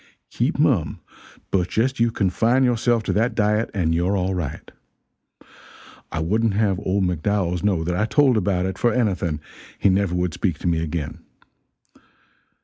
keep mum, but just you confine yourself to that diet and you're all right. I wouldn't have old McDowells know that I told about it for anything he never would speak to me again.